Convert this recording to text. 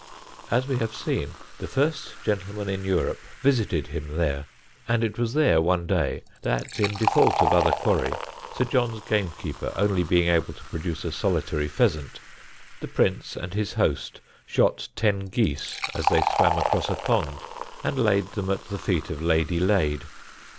As we have seen, the First Gentleman in Europe visited him there, and it was there one day, that, in default of other quarry, Sir John's gamekeeper only being able to produce a solitary pheasant, the Prince and his host shot ten geese as they swam across a pond, and laid them at the feet of Lady Lade.